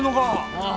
ああ。